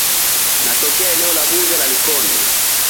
Natokea eneo bunge la likoni.